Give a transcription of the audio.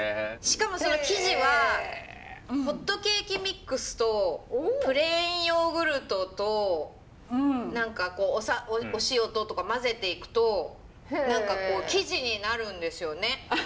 しかもその生地はホットケーキミックスとプレーンヨーグルトと何かこうお塩ととか混ぜていくと生地になるんですよね。